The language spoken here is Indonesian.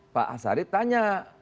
pak hasarit tanya